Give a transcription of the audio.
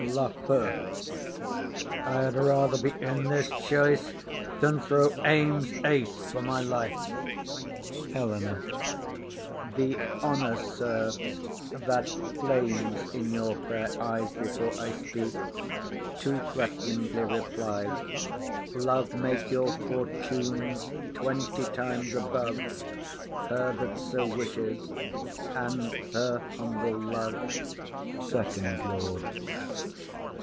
LAFEW. I had rather be in this choice than throw ames ace for my life. HELENA. [To second Lord.] The honour, sir, that flames in your fair eyes, Before I speak, too threat'ningly replies. Love make your fortunes twenty times above Her that so wishes, and her humble love! SECOND LORD.